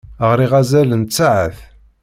Ɣriɣ azal n tsaɛet.